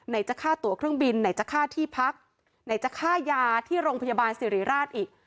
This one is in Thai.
จะฆ่าตัวเครื่องบินไหนจะฆ่าที่พักไหนจะฆ่ายาที่โรงพยาบาลสิริราชอีก